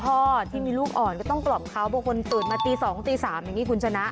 คราวที่มีลูกอ่อนก็ต้องกลบเขาพวกคุณตื่นมาตีสองตีสามอันนี้คุณชนะ